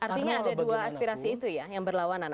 artinya ada dua aspirasi itu ya yang berlawanan